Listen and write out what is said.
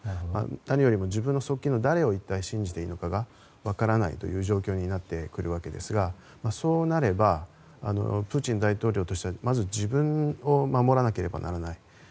何よりも自分の側近を一体、誰を信じていいのかが分からないという状況になってくるわけですがそうなればプーチン大統領としてはまず自分を守らなければならない。